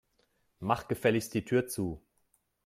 Mach gefälligst die Tür zu.